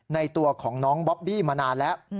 ในตัวของน้องบอบบี้มานานแล้ว